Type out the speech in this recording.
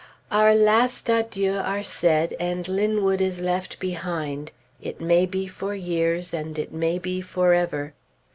Our last adieux are said, and Linwood is left behind, "it may be for years, and it may be forever."